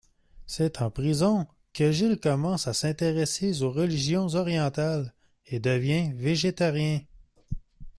C'est en prison que Gil commence à s’intéresser aux religions orientales et devient végétarien.